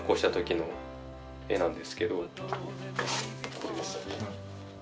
これです。